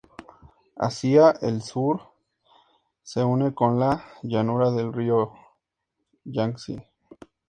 Hacia el sur se une con la llanura del río Yangzi.